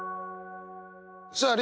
さあ